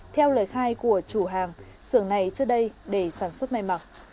theo lời khai của chủ hàng xưởng này trước đây để sản xuất may mặc